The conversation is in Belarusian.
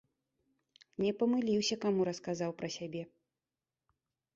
Не памыліўся, каму расказаў пра сябе.